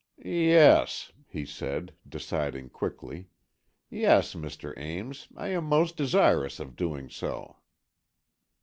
"Yes," he said, deciding quickly, "yes, Mr. Ames, I am most desirous of doing so."